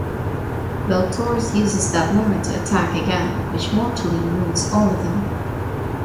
Beltorze uses that moment to attack again, which mortally wounds all of them.